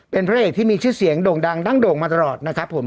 เป็นพระเอกที่มีชื่อเสียงโด่งดังดั้งโด่งมาตลอดนะครับผม